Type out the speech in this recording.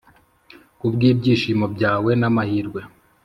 kubwibyishimo byawe n'amahirwe.